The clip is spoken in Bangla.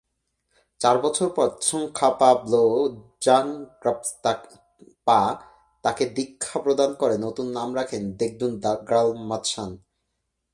চার বছর পর ত্সোং-খা-পা-ব্লো-ব্জাং-গ্রাগ্স-পা তাকে দীক্ষা প্রদান করে নতুন নাম রাখেন দ্গে-'দুন-র্গ্যাল-ম্ত্শান।